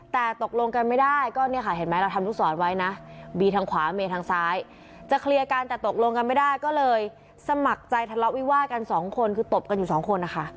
แต่ตกลงกันไม่ได้ก็เนี่ยค่ะเห็นไหมเราทำลูกศรไว้นะบีทางขวาเมย์ทางซ้ายจะเคลียร์กันแต่ตกลงกันไม่ได้ก็เลยสมัครใจทะเลาะวิวาดกันสองคนคือตบกันอยู่สองคนนะคะ